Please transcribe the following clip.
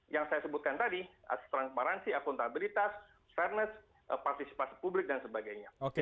yang saya sebutkan tadi asas transparansi akuntabilitas fairness partisipasi publik dan sebagainya